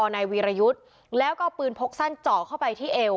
นายวีรยุทธ์แล้วก็เอาปืนพกสั้นเจาะเข้าไปที่เอว